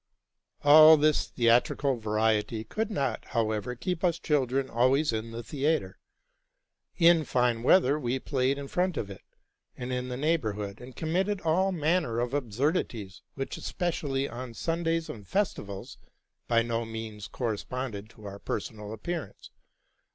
All this theatrical variety could not, however, keep us chil dren always in the theatre. In fine weather we played in front of it, and in the neighborhood, and committed all man ner of absurdities, which, especially on Sundays and festi vals, by no means corresponded to our personal appearance ; RELATING TO MY LIFE.